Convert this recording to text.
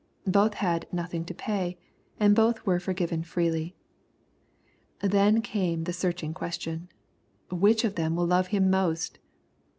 '' Both had "nothing to pay," and both were forgiven freely. And then came the searching question :" Which of them will love him most